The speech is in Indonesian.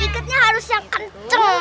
iketnya harus yang kenceng